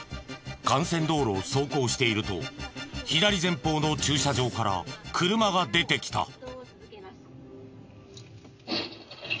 幹線道路を走行していると左前方の駐車場から車が出てきた。